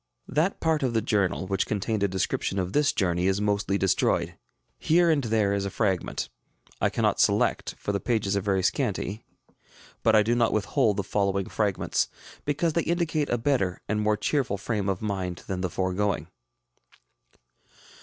That part of the journal which contained a description of this journey is mostly destroyed. Here and there is a fragment. I cannot select, for the pages are very scanty; but I do not withhold the following fragments, because they indicate a better and more cheerful frame of mind than the foregoing.